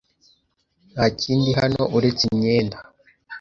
Nta kindi hano uretse imyenda.